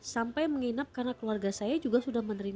bahkan sampai menginap karena keluarga saya juga sudah menginap